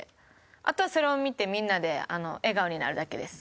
あとはそれを見てみんなで笑顔になるだけです。